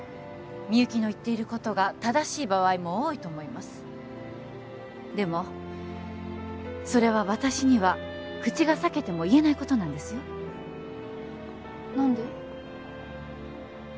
みゆきの言っていることが正しい場合も多いと思いますでもそれは私には口が裂けても言えないことなんですよ何で？